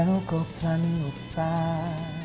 แล้วก็พลันมุกตา